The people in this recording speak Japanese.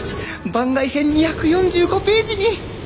番外編２４５ページに。